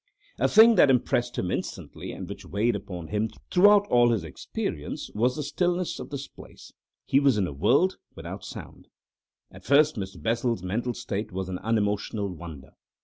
A thing that impressed him instantly, and which weighed upon him throughout all this experience, was the stillness of this place—he was in a world without sound. At first Mr. Bessel's mental state was an unemotional wonder.